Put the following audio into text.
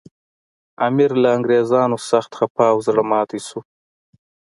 امیر له انګریزانو سخت خپه او زړه ماتي شو.